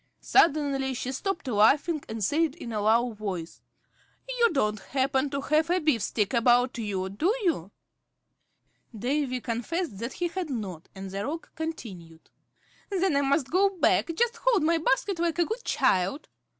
Suddenly she stopped laughing, and said in a low voice, "You don't happen to have a beefsteak about you, do you?" Davy confessed that he had not, and the Roc continued, "Then I must go back. Just hold my basket, like a good child."